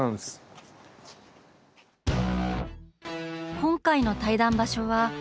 今回の対談場所は。